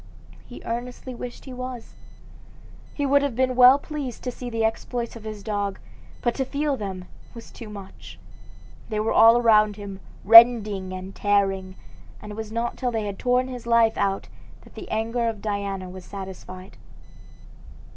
He earnestly wished he was. He would have been well pleased to see the exploits of his dogs, but to feel them was too much. They were all around him, rending and tearing; and it was not till they had torn his life out that the anger of Diana was satisfied.